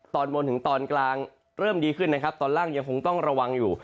ตอนบนถึงตอนกลางเริ่มดีขึ้นนะครับตอนล่างยังคงต้องระวังอยู่